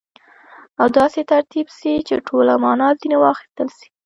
او داسي ترتیب سي، چي ټوله مانا ځني واخستل سي.